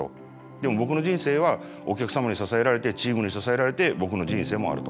でも僕の人生はお客様に支えられてチームに支えられて僕の人生もあると。